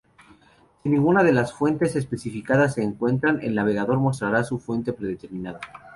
Si ninguna de las fuentes especificadas se encuentran, el navegador mostrará su fuente predeterminada.